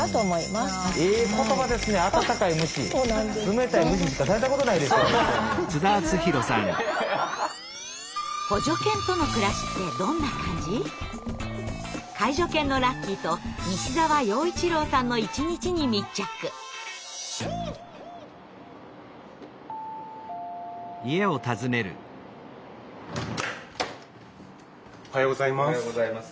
おはようございます。